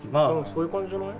・そういう感じじゃない？